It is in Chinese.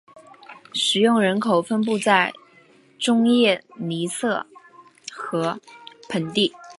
使用人口分布在中叶尼塞河盆地。